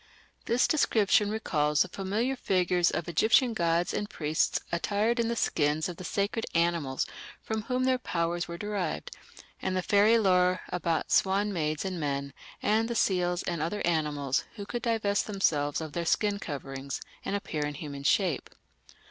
This description recalls the familiar figures of Egyptian gods and priests attired in the skins of the sacred animals from whom their powers were derived, and the fairy lore about swan maids and men, and the seals and other animals who could divest themselves of their "skin coverings" and appear in human shape.